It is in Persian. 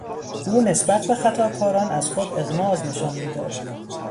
او نسبت به خطاکاران از خود اغماض نشان میداد.